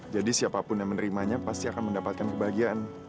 jadi siapapun yang menerimanya pasti akan mendapatkan kebahagiaan